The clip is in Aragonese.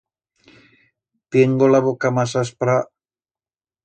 Tiengo la boca mas aspra.